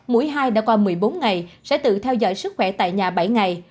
mũi hai đã qua một mươi bốn ngày sẽ tự theo dõi sức khỏe tại nhà bảy ngày